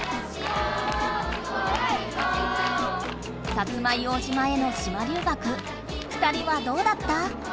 薩摩硫黄島への島留学２人はどうだった？